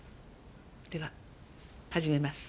では始めます。